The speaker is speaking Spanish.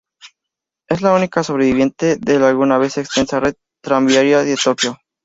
Es la única sobreviviente de la alguna vez extensa red tranviaria de Tokio.